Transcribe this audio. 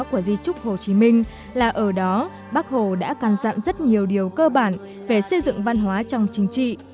của di trúc hồ chí minh là ở đó bác hồ đã căn dặn rất nhiều điều cơ bản về xây dựng văn hóa trong chính trị